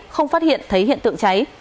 không phát hiện thấy hiện tượng cháy